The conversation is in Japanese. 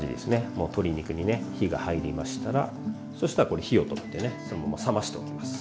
もう鶏肉にね火が入りましたらそしたらこれ火を止めてねそのまま冷ましておきます。